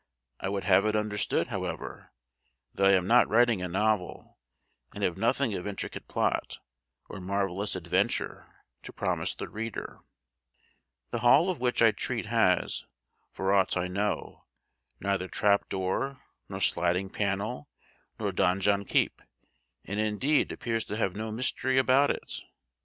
I would have it understood, however, that I am not writing a novel, and have nothing of intricate plot, or marvellous adventure, to promise the reader. The Hall of which I treat has, for aught I know, neither trap door, nor sliding panel, nor donjon keep: and indeed appears to have no mystery about it.